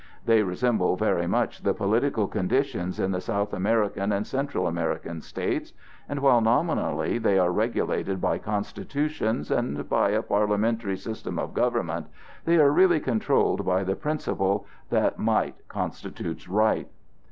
They resemble very much the political conditions in the South American and Central American states, and while nominally they are regulated by constitutions and by a parliamentary system of government, they are really controlled by the principle that "might constitutes right."